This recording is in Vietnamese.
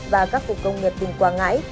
và các khu công nghiệp tỉnh quảng ngãi